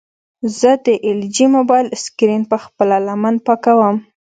زه د ایل جي موبایل سکرین په خپله لمن پاکوم.